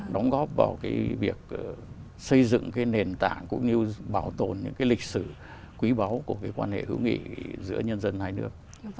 đóng góp vào cái việc xây dựng cái nền tảng cũng như bảo tồn những cái lịch sử quý báu của cái quan hệ hữu nghị giữa nhân dân hai nước